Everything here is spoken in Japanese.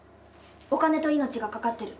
「お金と命がかかってる。